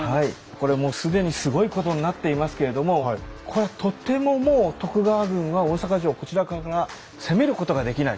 これもう既にすごいことになっていますけれどもこれはとてももう徳川軍は大坂城をこちらから攻めることができない。